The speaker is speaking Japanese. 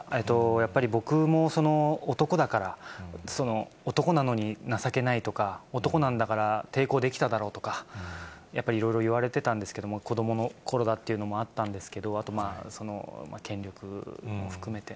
やっぱり僕も男だから、男なのに情けないとか、男なんだから抵抗できただろうとか、やっぱりいろいろ言われてたんですけれども、子どものころだっていうのもあったんですけど、あと、権力も含めて。